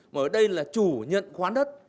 mà ở đây là chủ nhận khoán đất